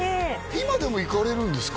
今でも行かれるんですか？